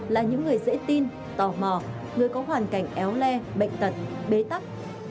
là những người dễ tin tò mò người có hoàn cảnh éo le bệnh tật bế tắc